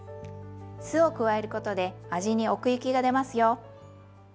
酢を加えることで味に奥行きがでますよ。